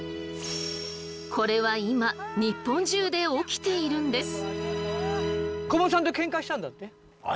これは今日本中で起きているんです。